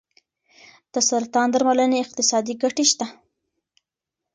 د سرطان درملنې اقتصادي ګټې شته.